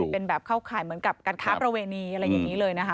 เป็นแบบเข้าข่ายเหมือนกับการค้าประเวณีอะไรอย่างนี้เลยนะคะ